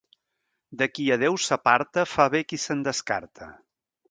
De qui a Déu s'aparta fa bé qui se'n descarta.